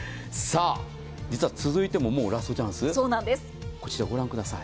実は続いても、もうラストチャンスこちらご覧ください。